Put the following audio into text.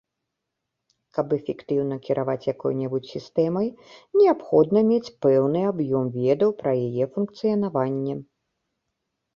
Каб эфектыўна кіраваць якой-небудзь сістэмай, неабходна мець пэўны аб'ём ведаў пра яе функцыянаванне.